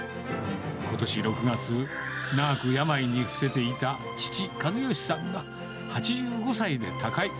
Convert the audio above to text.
ことし６月、長く病に伏せていた父、和吉さんが８５歳で他界。